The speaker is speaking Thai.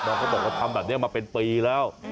เขาบอกว่าทำแบบนี้มาเป็นปีแล้ว